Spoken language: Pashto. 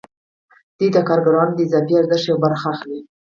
دوی د کارګرانو د اضافي ارزښت یوه برخه اخلي